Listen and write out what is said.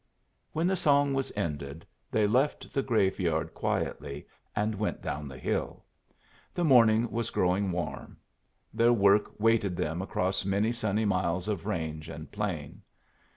When the song was ended, they left the graveyard quietly and went down the hill. The morning was growing warm. Their work waited them across many sunny miles of range and plain.